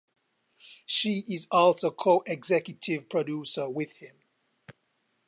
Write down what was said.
She is also co-executive producer with him.